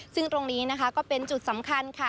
ซึ่งตรงนี้นะคะก็เป็นจุดสำคัญค่ะ